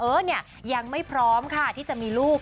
เนี่ยยังไม่พร้อมค่ะที่จะมีลูก